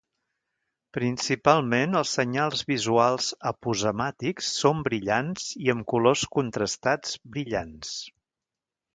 Principalment els senyals visuals aposemàtics són brillants i amb colors contrastats brillants.